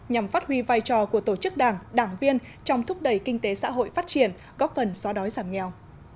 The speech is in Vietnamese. nhằm phát huy vai trò của tổ chức đảng đảng viên trong thúc đẩy kinh tế xã hội phát triển góp phần xóa đói giảm nghèo